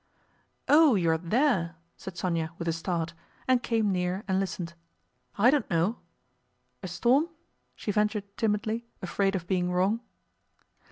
"Oh, you are there!" said Sónya with a start, and came near and listened. "I don't know. A storm?" she ventured timidly, afraid of being wrong.